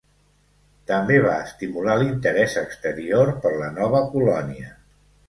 També va estimular l"interès exterior per la nova colònia.